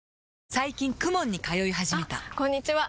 最近 ＫＵＭＯＮ に通い始めたあこんにちは！